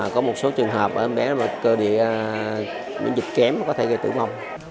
có một số trường hợp em bé cơ địa những dịch kém có thể gây tử mong